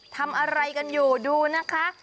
ทำอะไรกันอยู่ดูนะคะ